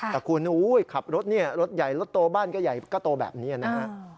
แต่คุณขับรถเนี่ยรถใหญ่รถโตบ้านก็ใหญ่ก็โตแบบนี้นะฮะ